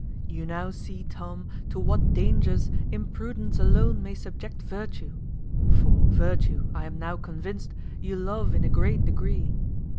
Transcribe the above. You now see, Tom, to what dangers imprudence alone may subject virtue (for virtue, I am now convinced, you love in a great degree).